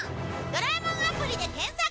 「ドラえもんアプリ」で検索！